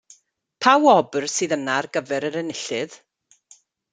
Pa wobr sydd yna ar gyfer yr enillydd?